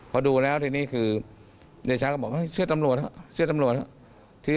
พอดูแล้วทีนี้คือเดชาก็บอกเชื่อตำรวจเถอะ